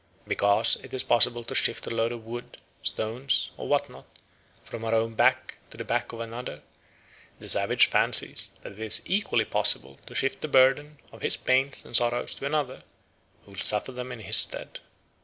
Because it is possible to shift a load of wood, stones, or what not, from our own back to the back of another, the savage fancies that it is equally possible to shift the burden of his pains and sorrows to another, who will suffer them in his stead.